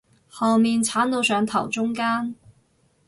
後面剷到上頭中間